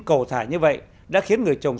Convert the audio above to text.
cầu thả như vậy đã khiến người trồng